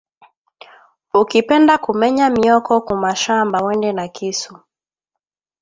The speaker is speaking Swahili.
Ukipenda ku menya myoko ku mashamba wende na kisu